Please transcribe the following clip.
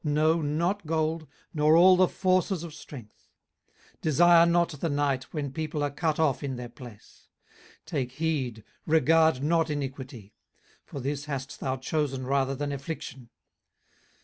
no, not gold, nor all the forces of strength. 18:036:020 Desire not the night, when people are cut off in their place. 18:036:021 Take heed, regard not iniquity: for this hast thou chosen rather than affliction.